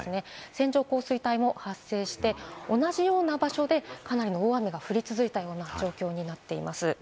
線状降水帯も発生して同じような場所でかなり大雨が降り続いたような状況になっています。